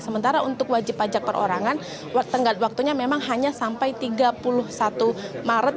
sementara untuk wajib pajak perorangan waktunya memang hanya sampai tiga puluh satu maret